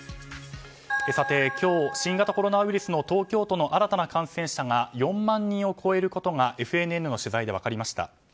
今日、新型コロナウイルスの東京都の新たな感染者が４万人を超えることがＦＮＮの取材で分かりました。